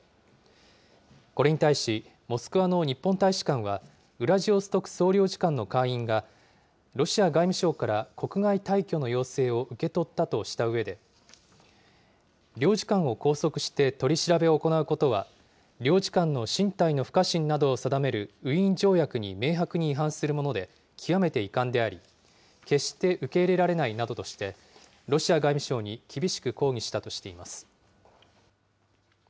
これに対し、モスクワの日本大使館は、ウラジオストク総領事館の館員が、ロシア外務省から国外退去の要請を受け取ったとしたうえで、領事官を拘束して取り調べを行うことは、領事官の身体の不可侵などを定めるウィーン条約に明白に違反するもので極めて遺憾であり、決して受け入れられないなどとして、ロシア外務省に厳しく抗議したとしています。